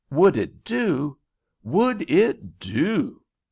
Would it do! Would it do!!